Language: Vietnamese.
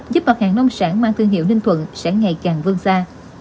giúp mặt hàng nông sản mang thương hiệu ninh thuận sẽ ngày càng vương xa